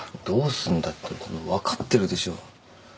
どうすんだってその分かってるでしょ。